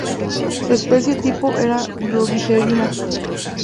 Su especie tipo era "Globigerina?